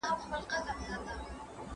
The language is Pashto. ملي جذبات یې نور هم توند سول